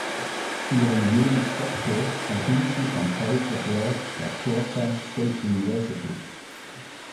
Ihren Juris Doctor erhielt sie vom College of Law der Georgia State University.